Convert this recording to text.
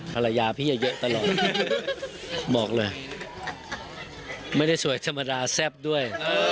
ภรรยาพี่จะเยอะตลอดบอกเลยไม่ได้สวยธรรมดาแซ่บด้วย